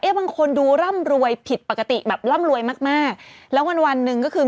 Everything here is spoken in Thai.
เอ๊ะบางคนดูร่ำรวยผิดปกติแบบร่ำรวยมากและวันนึงมีเวลา